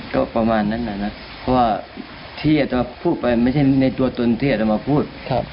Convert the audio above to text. ก็ประมาณนั้นแหละนะเพราะว่าที่อาจจะพูดไปไม่ใช่ในตัวตนที่อาจจะมาพูด